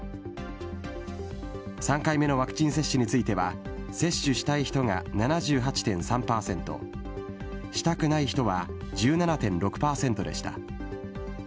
３回目のワクチン接種については、接種したい人が７８．３％、したくない人は１７．６％でした。